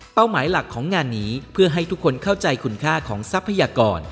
หมายหลักของงานนี้เพื่อให้ทุกคนเข้าใจคุณค่าของทรัพยากร